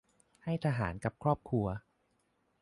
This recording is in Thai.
ให้ทหารกับครอบครัว